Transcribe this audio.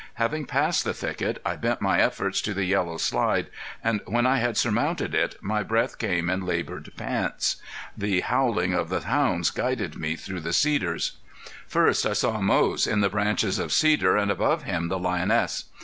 Having passed the thicket, I bent my efforts to the yellow slide and when I had surmounted it my breath came in labored pants. The howling of the hounds guided me through the cedars. First I saw Moze in the branches of cedar and above him the lioness.